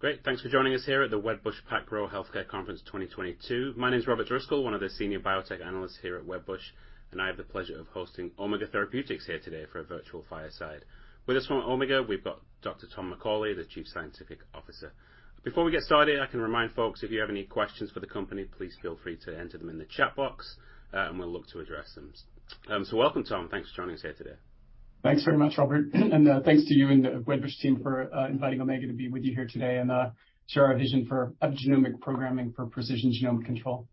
Great. Thanks for joining us here at the Wedbush PacGrow Healthcare Conference 2022. My name is Robert Driscoll, one of the senior biotech analysts here at Wedbush, and I have the pleasure of hosting Omega Therapeutics here today for a virtual fireside. With us from Omega, we've got Dr. Tom McCauley, the Chief Scientific Officer. Before we get started, I can remind folks, if you have any questions for the company, please feel free to enter them in the chat box, and we'll look to address them. Welcome, Tom. Thanks for joining us here today. Thanks very much, Robert. Thanks to you and the Wedbush team for inviting Omega to be with you here today and share our vision for epigenomic programming for precision genomic control.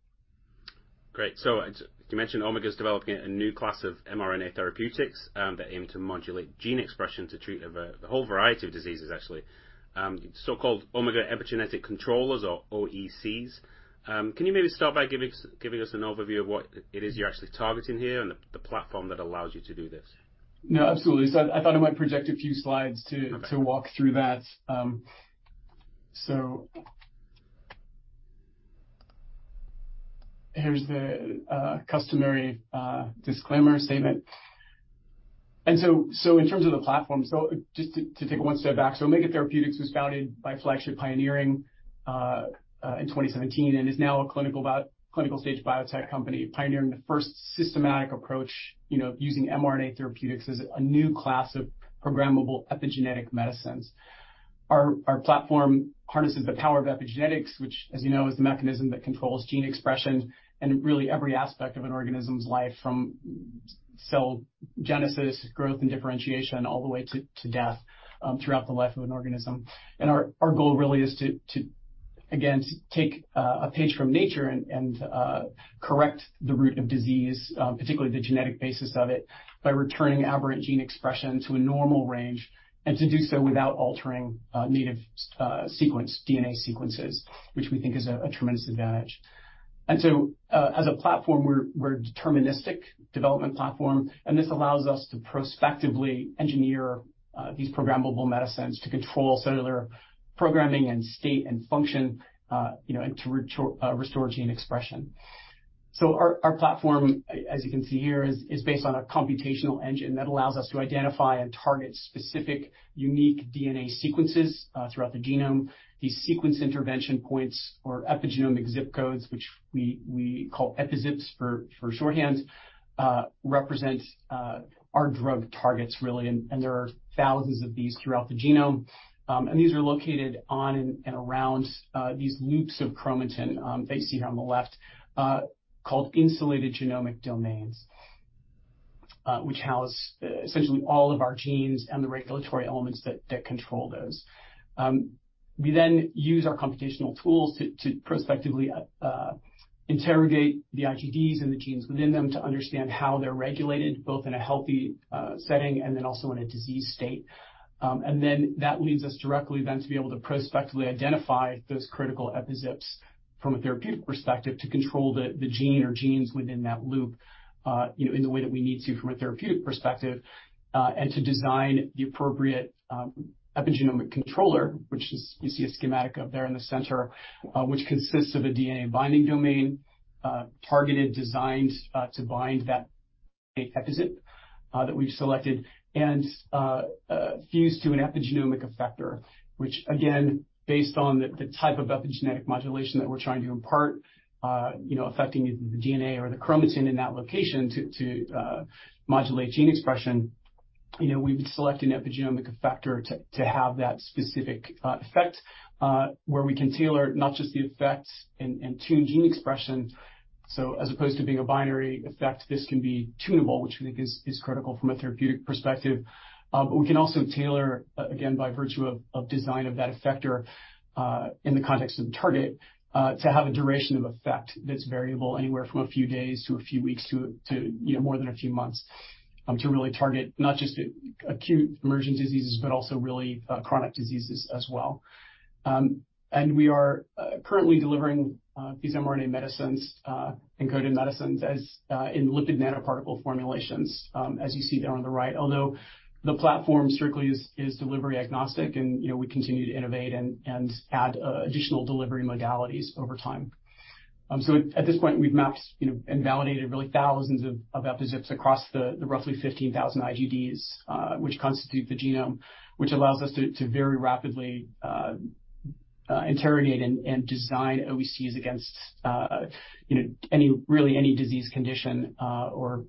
Great. As you mentioned, Omega is developing a new class of mRNA therapeutics that aim to modulate gene expression to treat a whole variety of diseases actually, so-called Omega Epigenomic Controllers or OECs. Can you maybe start by giving us an overview of what it is you're actually targeting here and the platform that allows you to do this? No, absolutely. I thought I might project a few slides. Okay. To walk through that. Here's the customary disclaimer statement. In terms of the platform, just take one step back. Omega Therapeutics was founded by Flagship Pioneering in 2017 and is now a clinical stage biotech company pioneering the first systematic approach, you know, using mRNA therapeutics as a new class of programmable epigenetic medicines. Our platform harnesses the power of epigenetics, which, as you know, is the mechanism that controls gene expression and really every aspect of an organism's life, from cell genesis, growth and differentiation, all the way to death throughout the life of an organism. Our goal really is to again take a page from nature and correct the root of disease, particularly the genetic basis of it, by returning aberrant gene expression to a normal range, and to do so without altering native sequence DNA sequences, which we think is a tremendous advantage. As a platform, we're a deterministic development platform, and this allows us to prospectively engineer these programmable medicines to control cellular programming and state and function, you know, and to restore gene expression. Our platform, as you can see here, is based on a computational engine that allows us to identify and target specific unique DNA sequences throughout the genome. These sequence intervention points or epigenomic zip codes, which we call EpiZips for shorthand, represent our drug targets, really, and there are thousands of these throughout the genome. These are located on and around these loops of chromatin that you see here on the left, called Insulated Genomic Domains, which house essentially all of our genes and the regulatory elements that control those. We then use our computational tools to prospectively interrogate the IGDs and the genes within them to understand how they're regulated, both in a healthy setting and then also in a disease state. That leads us directly to be able to prospectively identify those critical EpiZips from a therapeutic perspective to control the gene or genes within that loop, you know, in the way that we need to from a therapeutic perspective, and to design the appropriate epigenomic controller, which is, you see a schematic of there in the center, which consists of a DNA binding domain, targeted, designed, to bind that EpiZip that we've selected and fused to an epigenomic effector, which again, based on the type of epigenetic modulation that we're trying to impart, you know, affecting the DNA or the chromatin in that location to modulate gene expression. You know, we would select an epigenomic effector to have that specific effect where we can tailor not just the effect and tune gene expression. As opposed to being a binary effect, this can be tunable, which we think is critical from a therapeutic perspective. We can also tailor again by virtue of design of that effector in the context of the target to have a duration of effect that's variable anywhere from a few days to a few weeks to you know, more than a few months to really target not just acute emergent diseases, but also really chronic diseases as well. We are currently delivering these mRNA medicines encoded medicines as in lipid nanoparticle formulations, as you see there on the right, although the platform strictly is delivery agnostic, and you know, we continue to innovate and add additional delivery modalities over time. At this point, we've mapped you know and validated really thousands of EpiZips across the roughly 15,000 IGDs, which constitute the genome, which allows us to very rapidly interrogate and design OECs against you know any really any disease condition or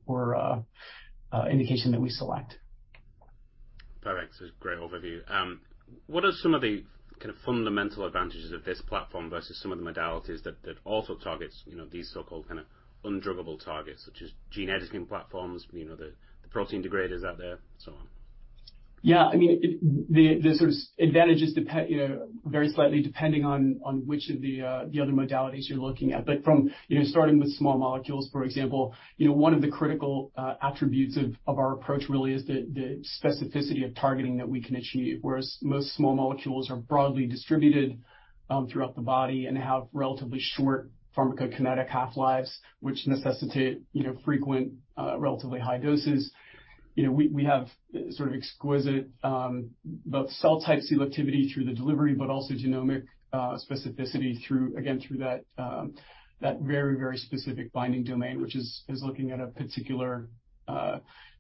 indication that we select. Perfect. Great overview. What are some of the kind of fundamental advantages of this platform versus some of the modalities that also targets, you know, these so-called kinda undruggable targets, such as gene editing platforms, you know, the protein degraders out there, so on? Yeah, I mean, the sort of advantages depend, you know, very slightly on which of the other modalities you're looking at. From, you know, starting with small molecules, for example, you know, one of the critical attributes of our approach really is the specificity of targeting that we can achieve. Whereas most small molecules are broadly distributed throughout the body and have relatively short pharmacokinetic half-lives, which necessitate, you know, frequent relatively high doses. You know, we have sort of exquisite both cell type selectivity through the delivery, but also genomic specificity through again through that very specific binding domain, which is looking at a particular,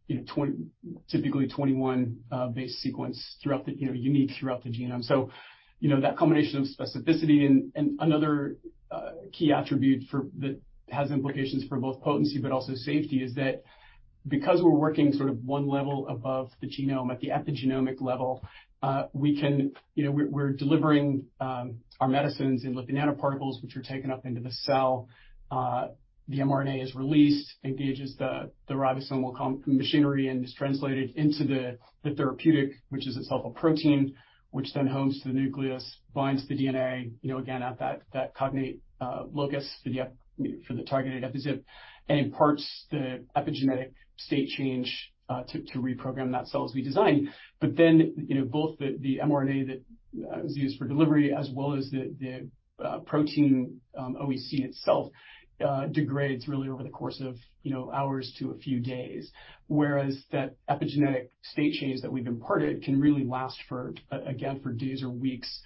you know, typically 21 base sequence throughout the, you know, unique throughout the genome. You know, that combination of specificity and another key attribute that has implications for both potency but also safety, is that because we're working sort of one level above the genome at the epigenomic level, we can, you know, we're delivering our medicines in lipid nanoparticles which are taken up into the cell. The mRNA is released, engages the ribosomal machinery and is translated into the therapeutic, which is itself a protein, which then homes to the nucleus, binds the DNA, you know, again, at that cognate locus for the targeted EpiZip, and imparts the epigenetic state change to reprogram that cell as we designed. But then, you know, both the mRNA that is used for delivery as well as the protein OEC itself degrades really over the course of, you know, hours to a few days. Whereas that epigenetic state change that we've imparted can really last for, again, for days or weeks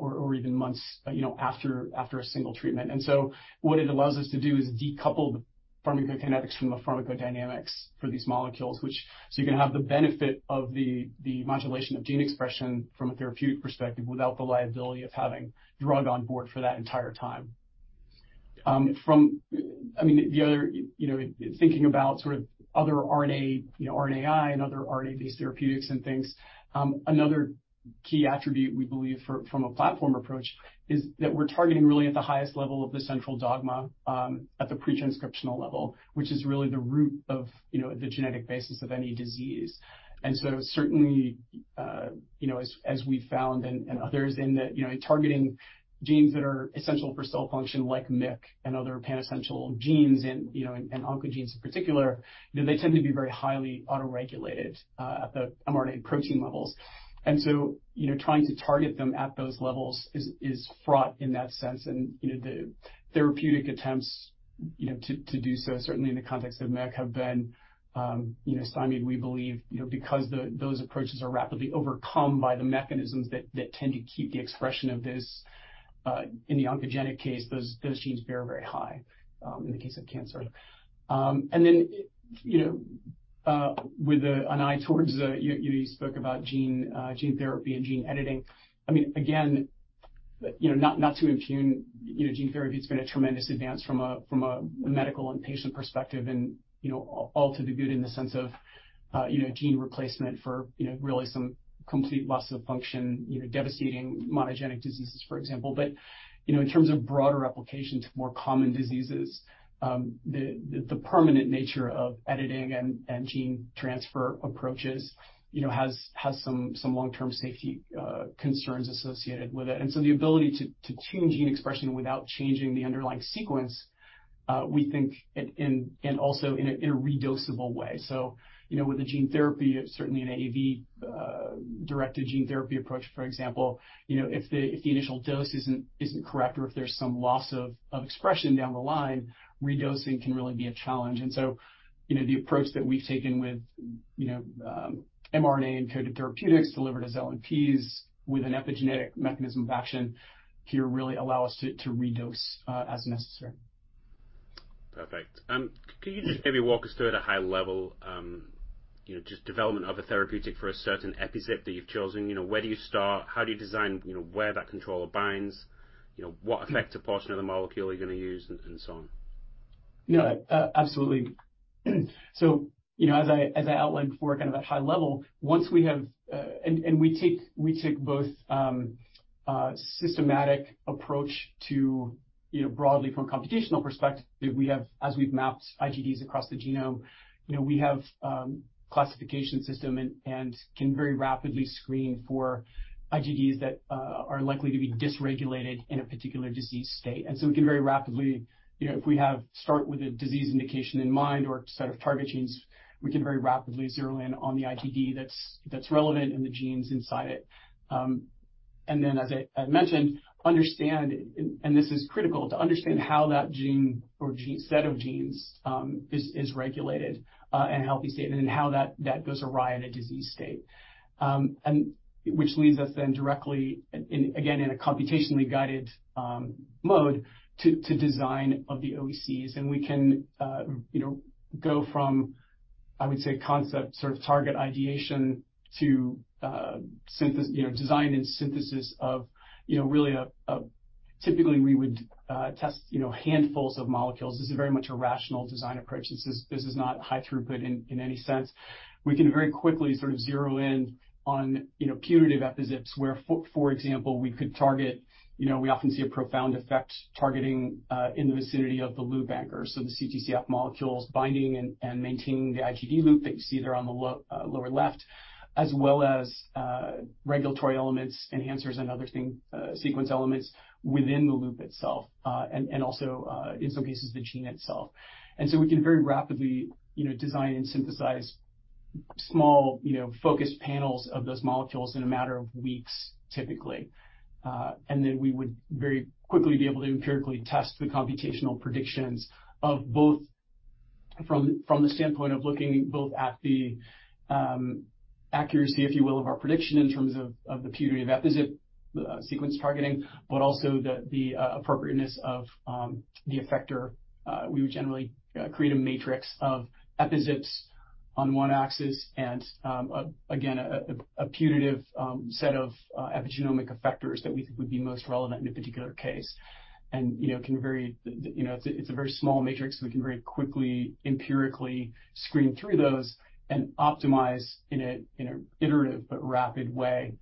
or even months, you know, after a single treatment. And so, what it allows us to do is decouple the pharmacokinetics from the pharmacodynamics for these molecules, which you can have the benefit of the modulation of gene expression from a therapeutic perspective without the liability of having drug on board for that entire time. I mean, thinking about sort of other RNA, you know, RNAi and other RNA-based therapeutics and things, another key attribute we believe from a platform approach is that we're targeting really at the highest level of the central dogma, at the pre-transcriptional level, which is really the root of, you know, the genetic basis of any disease. Certainly, you know, as we've found and others in that, you know, targeting genes that are essential for cell function like MYC and other pan-essential genes and oncogenes in particular, you know, they tend to be very highly auto-regulated at the mRNA protein levels. You know, trying to target them at those levels is fraught in that sense. You know, the therapeutic attempts, you know, to do so, certainly in the context of MYC, have been, you know, stymied, we believe, you know, because those approaches are rapidly overcome by the mechanisms that tend to keep the expression of this, in the oncogenic case, those genes very, very high, in the case of cancer. You know, with an eye towards the, you spoke about gene therapy and gene editing. I mean, again, you know, not to impugn, you know, gene therapy, it's been a tremendous advance from a medical and patient perspective and, you know, all to the good in the sense of, you know, gene replacement for, you know, really some complete loss of function, you know, devastating monogenic diseases, for example. You know, in terms of broader application to more common diseases, the permanent nature of editing and gene transfer approaches, you know, has some long-term safety concerns associated with it. The ability to tune gene expression without changing the underlying sequence, we think and also in a redosable way. You know, with the gene therapy, certainly an AAV directed gene therapy approach, for example, you know, if the initial dose isn't correct or if there's some loss of expression down the line, redosing can really be a challenge. You know, the approach that we've taken with you know, mRNA-encoded therapeutics delivered as LNPs with an epigenetic mechanism of action here really allow us to redose as necessary. Perfect. Could you just maybe walk us through at a high level, you know, just development of a therapeutic for a certain EpiZip that you've chosen. You know, where do you start? How do you design, you know, where that controller binds? You know, what effector portion of the molecule are you gonna use and so on? Yeah. Absolutely. You know, as I outlined before, kind of at high level, we take both systematic approach to, you know, broadly from a computational perspective, we have, as we've mapped IGDs across the genome, you know, we have classification system and can very rapidly screen for IGDs that are likely to be dysregulated in a particular disease state. We can very rapidly, you know, start with a disease indication in mind or a set of target genes, we can very rapidly zero in on the IGD that's relevant and the genes inside it. As I mentioned, understand, and this is critical, to understand how that gene or set of genes is regulated in a healthy state and then how that goes awry in a disease state. Which leads us then directly, again, in a computationally guided mode to design of the OECs. We can, you know, go from, I would say, concept sort of target ideation to, you know, design and synthesis. Typically we would test, you know, handfuls of molecules. This is very much a rational design approach. This is not high throughput in any sense. We can very quickly sort of zero in on, you know, putative EpiZips where for example, we could target, you know, we often see a profound effect targeting in the vicinity of the loop anchors. The CTCF molecule's binding and maintaining the IGD loop that you see there on the lower left, as well as regulatory elements, enhancers and other thing sequence elements within the loop itself, and also in some cases the gene itself. We can very rapidly, you know, design and synthesize small, you know, focused panels of those molecules in a matter of weeks, typically. We would very quickly be able to empirically test the computational predictions of both from the standpoint of looking both at the accuracy, if you will, of our prediction in terms of the purity of EpiZip sequence targeting, but also the appropriateness of the effector. We would generally create a matrix of EpiZips on one axis and, again, a putative set of epigenomic effectors that we think would be most relevant in a particular case. You know, it's a very small matrix. We can very quickly empirically screen through those and optimize in an iterative but rapid way,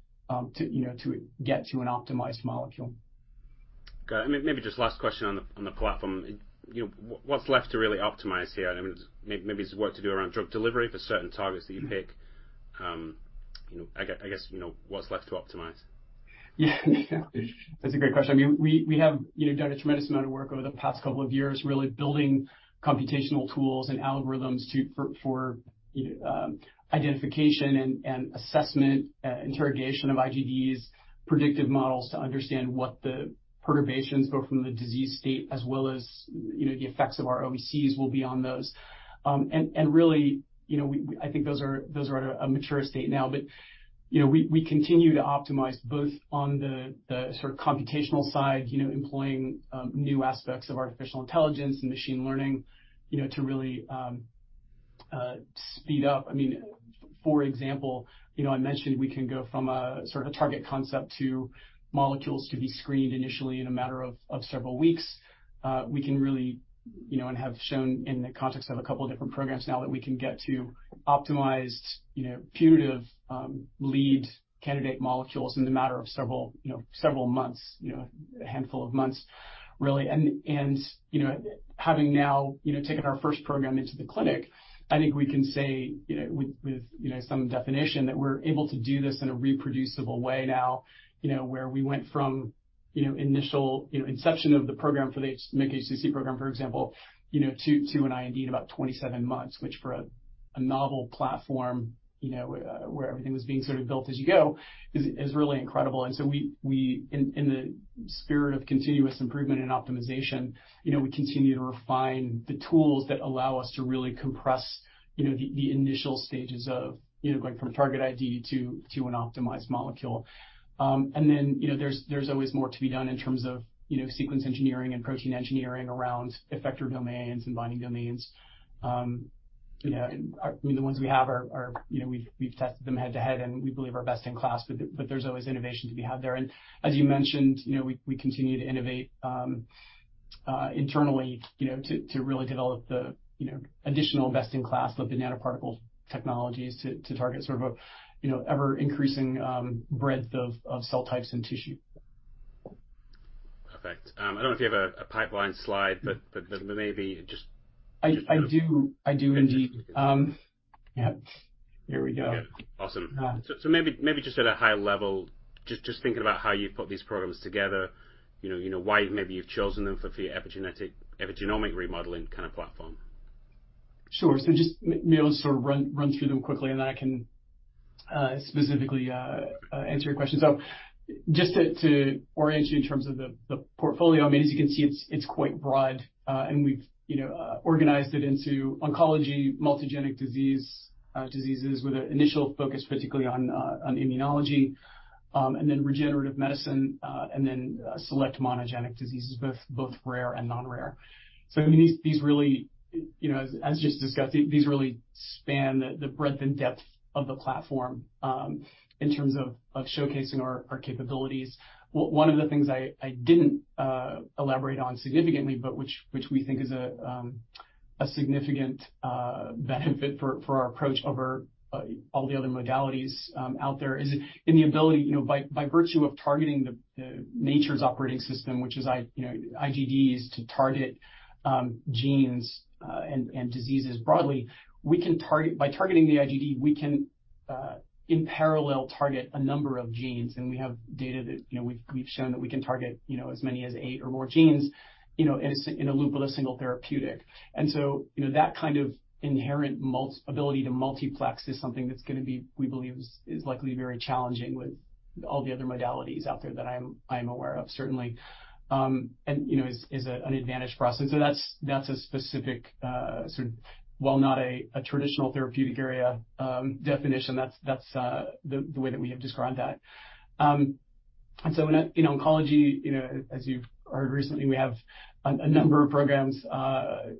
you know, to get to an optimized molecule. Got it. Maybe just last question on the platform. You know, what's left to really optimize here? I mean, maybe it's work to do around drug delivery for certain targets that you pick. You know, I guess, you know, what's left to optimize? Yeah. That's a great question. I mean, we have, you know, done a tremendous amount of work over the past couple of years really building computational tools and algorithms for identification and assessment, interrogation of IGDs, predictive models to understand what the perturbations both from the disease state as well as, you know, the effects of our OECs will be on those. Really, you know, I think those are at a mature state now, but, you know, we continue to optimize both on the sort of computational side, you know, employing new aspects of artificial intelligence and machine learning, you know, to really speed up. I mean, for example, you know, I mentioned we can go from a sort of a target concept to molecules to be screened initially in a matter of several weeks. We can really, you know, and have shown in the context of a couple of different programs now that we can get to optimized, you know, putative lead candidate molecules in the matter of several months, you know, a handful of months, really. You know, having now, you know, taken our first program into the clinic, I think we can say, you know, with some definition that we're able to do this in a reproducible way now, you know, where we went from, you know, initial, you know, inception of the program for the MYC-HCC program, for example, you know, to an IND in about 27 months, which for a novel platform, you know, where everything was being sort of built as you go, is really incredible. In the spirit of continuous improvement and optimization, you know, we continue to refine the tools that allow us to really compress, you know, the initial stages of, you know, going from target ID to an optimized molecule. You know, there's always more to be done in terms of, you know, sequence engineering and protein engineering around effector domains and binding domains. I mean, the ones we have are, you know, we've tested them head-to-head, and we believe are best in class, but there's always innovation to be had there. As you mentioned, you know, we continue to innovate internally, you know, to really develop the, you know, additional best in class lipid nanoparticle technologies to target sort of a, you know, ever-increasing breadth of cell types and tissue. Perfect. I don't know if you have a pipeline slide, but maybe just. I do. I do indeed. Yeah. Here we go. Yeah. Awesome. Um. Maybe just at a high level, just thinking about how you've put these programs together, you know, why maybe you've chosen them for the epigenomic remodeling kind of platform. Sure. Just maybe I'll sort of run through them quickly, and then I can specifically answer your question. Just to orient you in terms of the portfolio, I mean, as you can see, it's quite broad, and we've, you know, organized it into oncology, multigenic disease, diseases with an initial focus particularly on immunology, and then regenerative medicine, and then select monogenic diseases, both rare and non-rare. I mean, these really, you know, as just discussed, these really span the breadth and depth of the platform, in terms of showcasing our capabilities. One of the things I didn't elaborate on significantly, but which we think is a significant benefit for our approach over all the other modalities out there is the ability, you know, by virtue of targeting the nature's operating system, which is, you know, IGDs to target genes and diseases broadly. By targeting the IGD, we can in parallel target a number of genes, and we have data that, you know, we've shown that we can target, you know, as many as eight or more genes, you know, in a loop with a single therapeutic. You know, that kind of inherent ability to multiplex is something that we believe is likely very challenging with all the other modalities out there that I'm aware of, certainly. You know, is an advantage for us. That's a specific sort of, while not a traditional therapeutic area definition, that's the way that we have described that. In oncology, you know, as you've heard recently, we have a number of programs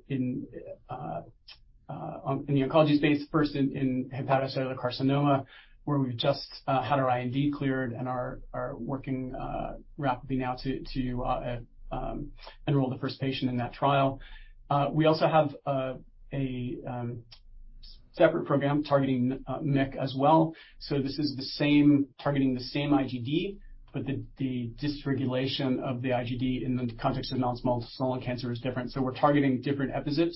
in the oncology space, first in hepatocellular carcinoma, where we've just had our IND cleared and are working rapidly now to enroll the first patient in that trial. We also have a separate program targeting MYC as well. This is the same, targeting the same IGD, but the dysregulation of the IGD in the context of non-small cell lung cancer is different. We're targeting different epigenomes,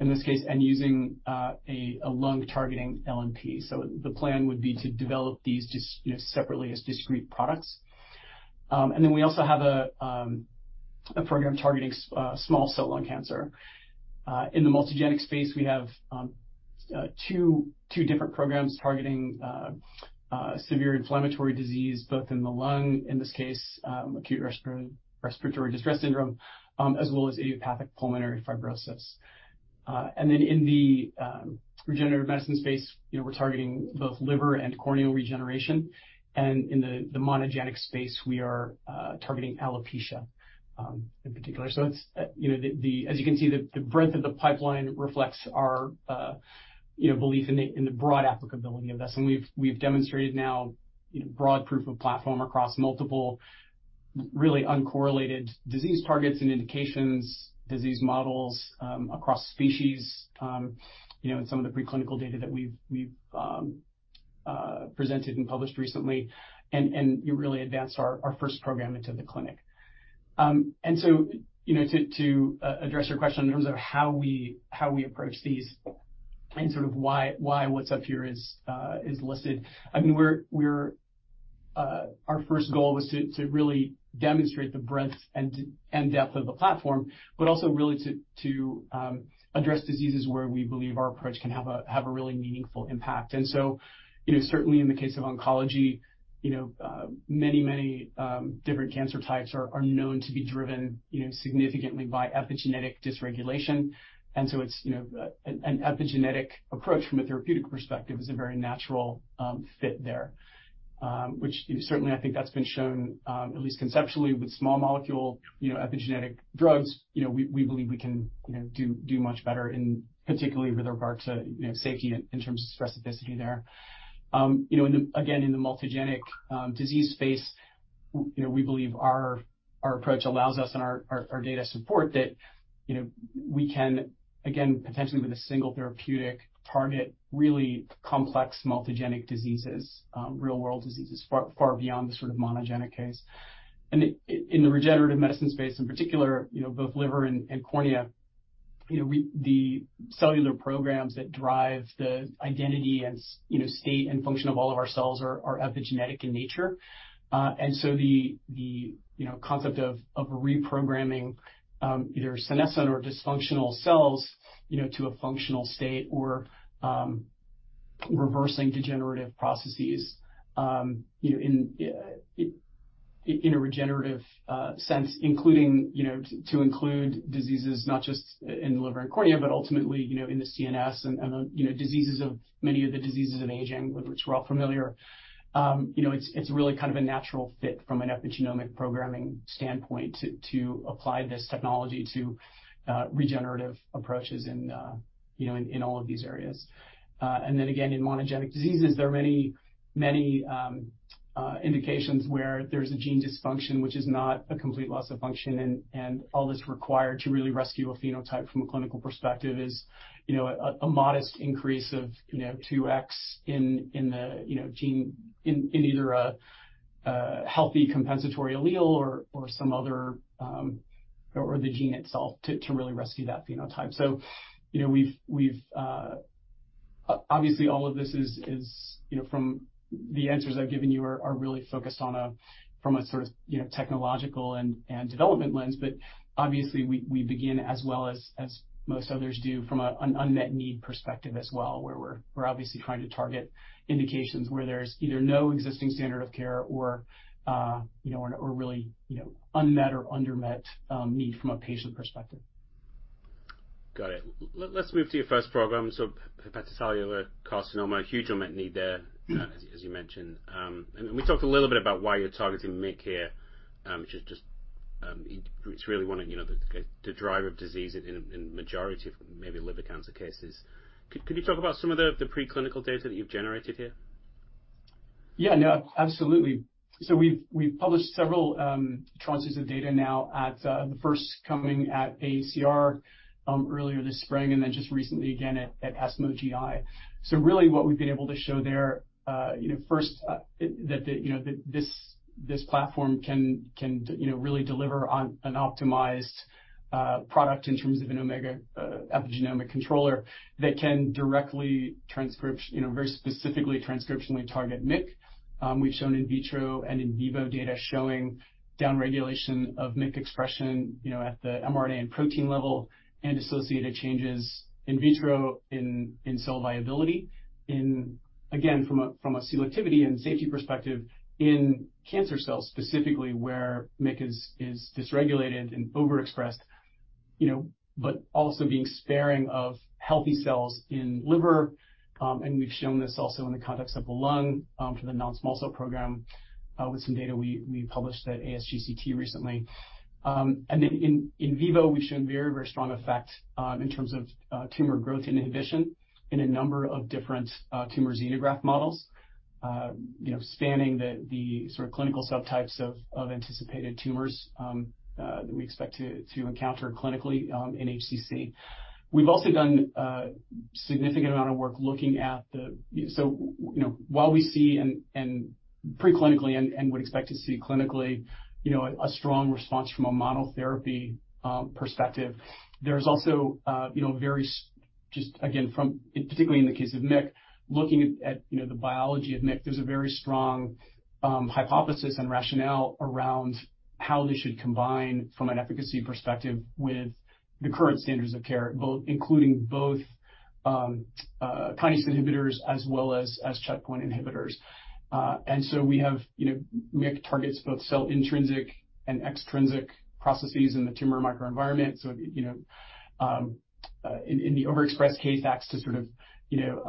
in this case, and using a lung targeting LNP. The plan would be to develop these separately as discrete products. We also have a program targeting small cell lung cancer. In the multigenic space, we have two different programs targeting severe inflammatory disease, both in the lung, in this case, acute respiratory distress syndrome, as well as idiopathic pulmonary fibrosis. In the regenerative medicine space, you know, we're targeting both liver and corneal regeneration. In the monogenic space, we are targeting alopecia in particular. It's you know as you can see the breadth of the pipeline reflects our you know belief in the broad applicability of this. We've demonstrated now you know broad proof of platform across multiple really uncorrelated disease targets and indications, disease models, across species you know in some of the preclinical data that we've presented and published recently and really advanced our first program into the clinic. You know to address your question in terms of how we approach these and sort of why what's up here is listed. I mean, we're our first goal was to really demonstrate the breadth and depth of the platform, but also really to address diseases where we believe our approach can have a really meaningful impact. You know, certainly in the case of oncology, you know, many different cancer types are unknown to be driven, you know, significantly by epigenetic dysregulation. It's, you know, an epigenetic approach from a therapeutic perspective is a very natural fit there. Which certainly I think that's been shown at least conceptually with small molecule, you know, epigenetic drugs. You know, we believe we can, you know, do much better in particular with regard to, you know, safety in terms of specificity there. You know, in the multigenic disease space, you know, we believe our data support that, you know, we can again, potentially with a single therapeutic target, really complex multigenic diseases, real world diseases far beyond the sort of monogenic case. In the regenerative medicine space, in particular, you know, both liver and cornea, you know, the cellular programs that drive the identity and state and function of all of our cells are epigenetic in nature. The concept of reprogramming either senescent or dysfunctional cells, you know, to a functional state or reversing degenerative processes, you know, in a regenerative sense, including, you know, to include diseases not just in the liver and cornea, but ultimately, you know, in the CNS and you know, diseases of many of the diseases of aging with which we're all familiar. You know, it's really kind of a natural fit from an epigenomic programming standpoint to apply this technology to regenerative approaches in, you know, in all of these areas. In monogenic diseases, there are many indications where there's a gene dysfunction, which is not a complete loss of function and all that's required to really rescue a phenotype from a clinical perspective is, you know, a modest increase of, you know, 2x in the gene in either a healthy compensatory allele or some other or the gene itself to really rescue that phenotype. Obviously, all of this is, you know, from the answers I've given you are really focused on, from a sort of, you know, technological and development lens. Obviously we begin as well as most others do from an unmet need perspective as well, where we're obviously trying to target indications where there's either no existing standard of care or, you know, or really, you know, unmet or undermet need from a patient perspective. Got it. Let's move to your first program. Hepatocellular carcinoma, huge unmet need there. Mm-hmm. As you mentioned. We talked a little bit about why you're targeting MYC here, which is just, it's really one of, you know, the driver of disease in a majority of maybe liver cancer cases. Could you talk about some of the preclinical data that you've generated here? Yeah, no, absolutely. We've published several tranches of data now at the first coming at AACR earlier this spring, and then just recently again at ESMO GI. Really what we've been able to show there, you know, first, that the this platform can really deliver on an optimized product in terms of an Omega Epigenomic Controller that can directly very specifically transcriptionally target MYC. We've shown in vitro and in vivo data showing downregulation of MYC expression, you know, at the mRNA and protein level and associated changes in vitro in cell viability. Again, from a selectivity and safety perspective in cancer cells, specifically where MYC is dysregulated and overexpressed, you know, but also being sparing of healthy cells in liver. We've shown this also in the context of the lung, for the non-small cell program, with some data we published at ASGCT recently. In vivo, we've shown very strong effect in terms of tumor growth inhibition in a number of different tumor xenograft models. You know, spanning the sort of clinical subtypes of anticipated tumors that we expect to encounter clinically in HCC. We've also done a significant amount of work. You know, while we see preclinically and would expect to see clinically, you know, a strong response from a monotherapy perspective. There's also, you know, very just again, from, particularly in the case of MYC, looking at, you know, the biology of MYC, there's a very strong hypothesis and rationale around how this should combine from an efficacy perspective with the current standards of care, including both kinase inhibitors as well as checkpoint inhibitors. We have, you know, MYC targets both cell intrinsic and extrinsic processes in the tumor microenvironment. You know, in the overexpress case, acts to sort of, you know,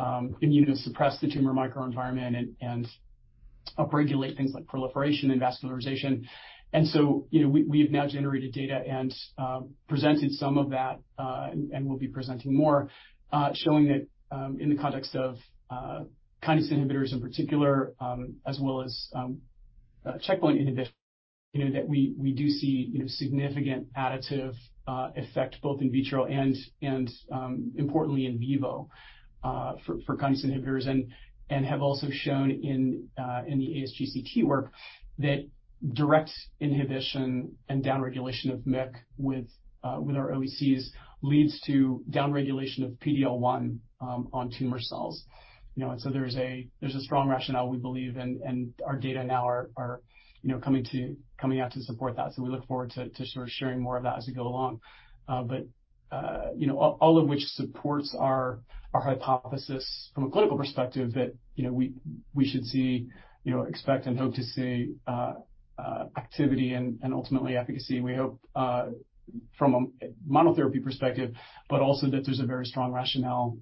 immunosuppress the tumor microenvironment and upregulate things like proliferation and vascularization. We have now generated data and presented some of that, and we'll be presenting more, showing that in the context of kinase inhibitors in particular, as well as checkpoint inhibitors, that we do see significant additive effect both in vitro and importantly in vivo, for kinase inhibitors. We have also shown in the ASGCT work that direct inhibition and downregulation of MYC with our OECs leads to downregulation of PD-L1 on tumor cells. There's a strong rationale we believe and our data now are coming out to support that. We look forward to sort of sharing more of that as we go along. You know, all of which supports our hypothesis from a clinical perspective that, you know, we should see, you know, expect and hope to see activity and ultimately efficacy, we hope, from a monotherapy perspective, but also that there's a very strong rationale,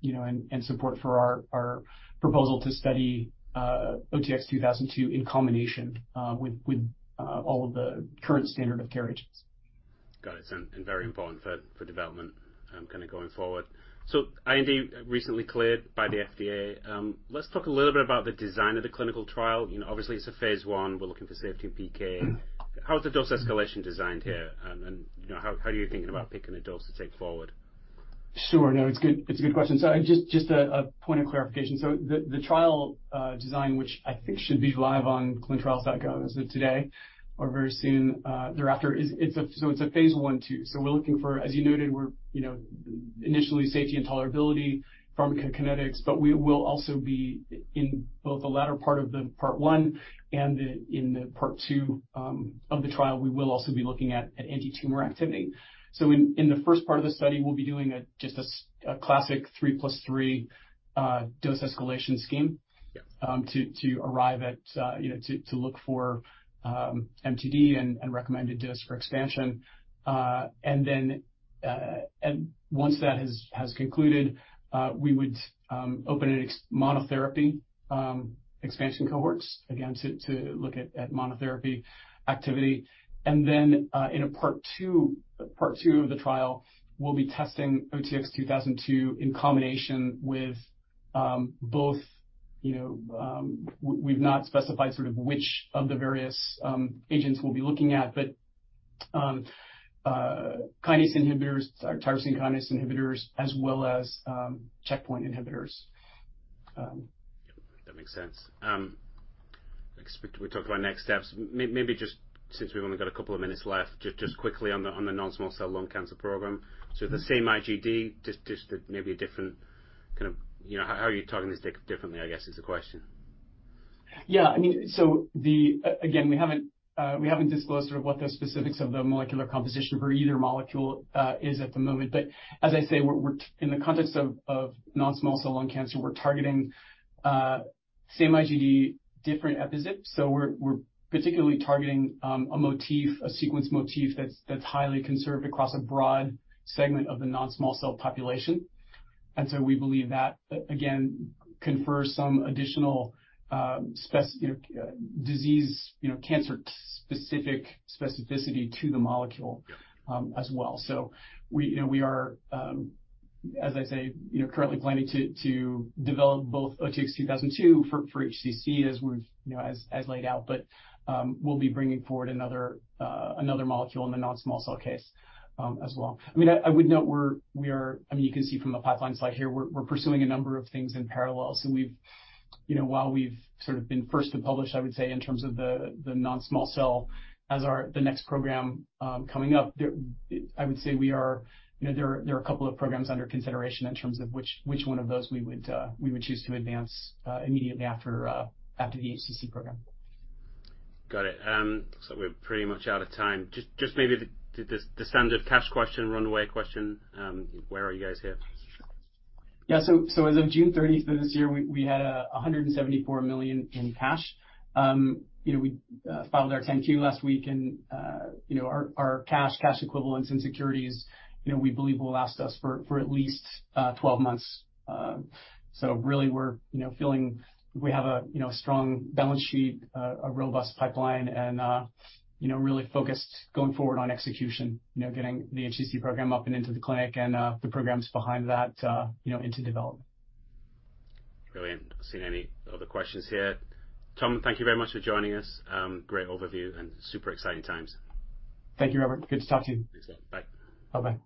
you know, and support for our proposal to study OTX-2002 in combination with all of the current standard of care agents. Got it. Very important for development, kinda going forward. IND recently cleared by the FDA. Let's talk a little bit about the design of the clinical trial. You know, obviously, it's a phase I. We're looking for safety and PK. Mm-hmm. How is the dose escalation designed here? You know, how are you thinking about picking a dose to take forward? Sure. No, it's a good question. Just a point of clarification. The trial design, which I think should be live on ClinicalTrials.gov as of today or very soon thereafter, is a phase I/II. We're looking for, as you noted, you know, initially safety and tolerability, pharmacokinetics, but we will also be in both the latter part of part one and in part two of the trial, we will also be looking at antitumor activity. In the first part of the study, we'll be doing just a classic 3+3 dose escalation scheme. Yeah. To arrive at, you know, to look for MTD and recommended dose for expansion. Once that has concluded, we would open a monotherapy expansion cohorts, again, to look at monotherapy activity. In part two of the trial, we'll be testing OTX-2002 in combination with both, you know, we've not specified sort of which of the various agents we'll be looking at, but kinase inhibitors or tyrosine kinase inhibitors as well as checkpoint inhibitors. Yep. That makes sense. Except we talked about next steps. Maybe just since we've only got a couple of minutes left, just quickly on the non-small cell lung cancer program. The same IGD, just maybe a different kind of, you know. How are you targeting this differently, I guess, is the question? Yeah. I mean, again, we haven't disclosed sort of what the specifics of the molecular composition for either molecule is at the moment. But as I say, we're in the context of non-small cell lung cancer, we're targeting same IGD, different EpiZips. We're particularly targeting a motif, a sequence motif that's highly conserved across a broad segment of the non-small cell population. We believe that, again, confers some additional cancer-specific specificity to the molecule. Yeah. As well. We, you know, we are, as I say, you know, currently planning to develop both OTX-2002 for HCC as we've, you know, as laid out. We'll be bringing forward another molecule in the non-small cell case, as well. I mean, you can see from the pipeline slide here, we're pursuing a number of things in parallel. We've, you know, while we've sort of been first to publish, I would say, in terms of the non-small cell, the next program coming up, there. I would say we are, you know, there are a couple of programs under consideration in terms of which one of those we would choose to advance immediately after the HCC program. Got it. Looks like we're pretty much out of time. Just maybe the standard cash question, runway question. Where are you guys here? Yeah. As of June 30 of this year, we had $174 million in cash. You know, we filed our 10-Q last week and, you know, our cash equivalents, and securities, you know, we believe will last us for at least 12 months. Really we're feeling we have a strong balance sheet, a robust pipeline and really focused going forward on execution. You know, getting the HCC program up and into the clinic and the programs behind that into development. Brilliant. Not seeing any other questions here. Tom, thank you very much for joining us. Great overview and super exciting times. Thank you, Robert. Good to talk to you. Thanks. Bye. Bye-bye.